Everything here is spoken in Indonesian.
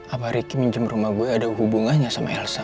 apa ricky minjem rumah gue ada hubungannya sama elsa